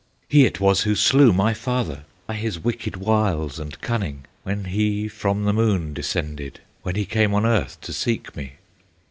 "He it was who slew my father, By his wicked wiles and cunning, When he from the moon descended, When he came on earth to seek me.